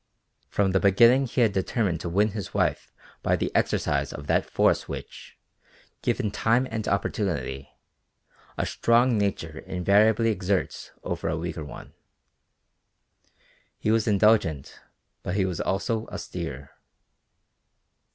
From the beginning he had determined to win his wife by the exercise of that force which, given time and opportunity, a strong nature invariably exerts over a weaker one. He was indulgent but he was also austere.